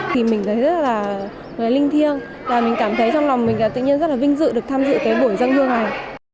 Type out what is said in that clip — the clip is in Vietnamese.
thì mình thấy rất là linh thiêng và mình cảm thấy trong lòng mình tự nhiên rất là vinh dự được tham dự cái buổi dân hương này